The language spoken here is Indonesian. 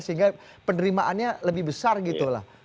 sehingga penerimaannya lebih besar gitu lah